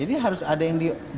jadi harus ada yang diolahin